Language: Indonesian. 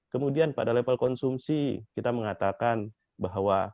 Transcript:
kemudian pada level konsumsi kita mengatakan bahwa